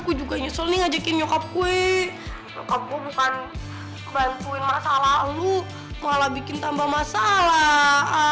nyokap gue bukan bantuin masalah lo malah bikin tambah masalah